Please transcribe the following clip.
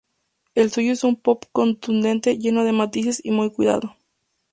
El suyo es un pop contundente, lleno de matices y muy cuidado.